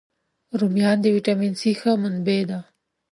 رومیان د ویټامین C ښه منبع دي